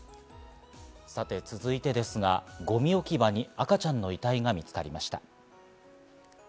さて続いてですが、ゴミ置き場に赤ちゃんの遺体が見つかりました。